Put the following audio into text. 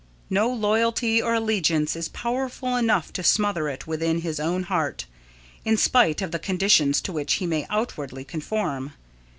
No loyalty or allegiance is powerful enough to smother it within his own heart, in spite of the conditions to which he may outwardly conform.